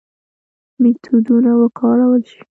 میتودونه وکارول شي.